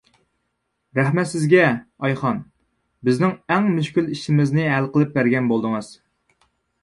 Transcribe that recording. رەھمەت سىزگە، ئايخان، بىزنىڭ ئەڭ مۈشكۈل ئىشىمىزنى ھەل قىلىپ بەرگەن بولدىڭىز.